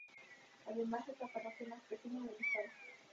Además, es la parroquia más pequeña del Estado.